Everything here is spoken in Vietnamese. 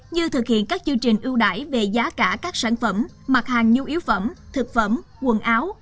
như thực hiện các chương trình ưu đải về giá cả các sản phẩm mặt hàng nhu yếu phẩm thực phẩm quần áo